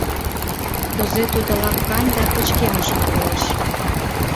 Кузе тудо лапкан да пычкемышын коеш.